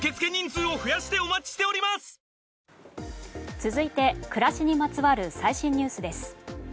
続いて暮らしにまつわる最新ニュースです。